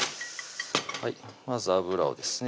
まず油をですね